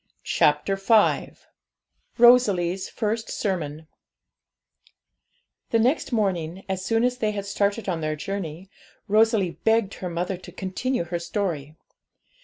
] CHAPTER V ROSALIE'S FIRST SERMON The next morning, as soon as they had started on their journey, Rosalie begged her mother to continue her story.